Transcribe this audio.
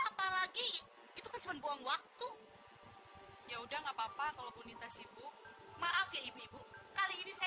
apalagi itu cuma buang waktu ya udah nggak papa kalau bunita sibuk maaf ya ibu ibu kali ini saya